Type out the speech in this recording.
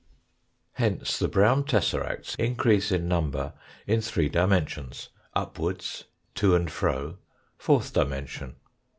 Hence the brown tesseracts increase in number in three dimensions upwards, to and fro, fourth dimension.